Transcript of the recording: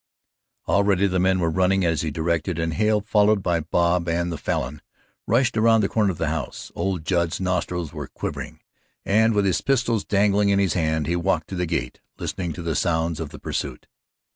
Already the men were running as he directed and Hale, followed by Bob and the Falin, rushed around the corner of the house. Old Judd's nostrils were quivering, and with his pistols dangling in his hands he walked to the gate, listening to the sounds of the pursuit.